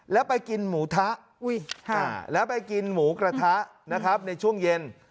แล้วไปกินหมูทะแล้วไปกินหมูกระทะนะครับในช่วงเย็น